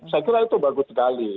saya kira itu bagus sekali